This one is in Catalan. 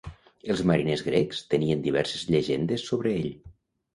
Els mariners grecs tenien diverses llegendes sobre ell.